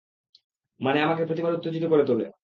মানে আমাকে প্রতিবার উত্তেজিত করে তোলে।